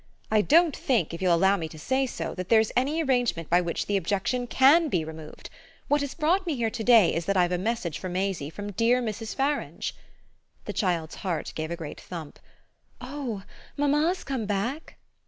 "I don't think, if you'll allow me to say so, that there's any arrangement by which the objection CAN be 'removed.' What has brought me here to day is that I've a message for Maisie from dear Mrs. Farange." The child's heart gave a great thump. "Oh mamma's come back?"